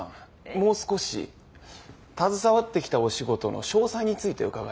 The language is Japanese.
もう少し携わってきたお仕事の詳細について伺えますか？